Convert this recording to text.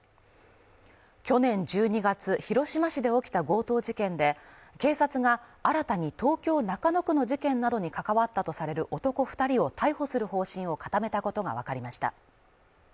去年１２月、広島市で起きた強盗事件で、警察が新たに東京・中野区の事件などに関わったとされる男２人を逮捕する方針を固めたことがわかりました。